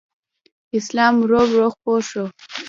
اسلام ورو ورو خپور شو